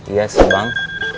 iya sih bang